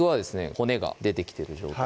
骨が出てきてる状態